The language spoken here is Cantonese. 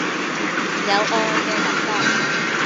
有愛嘅感覺